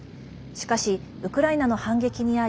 しかし、ウクライナの反撃に遭い